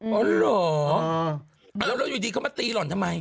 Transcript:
อ๋อเหรอแล้วอยู่ดีเขามาตีหล่อนทำไม